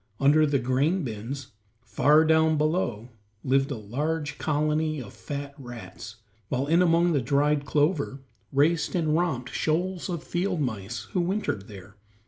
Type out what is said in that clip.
Under the grain bins, far down below, lived a large colony of fat rats, while in among the dried clover raced and romped shoals of field mice who wintered there.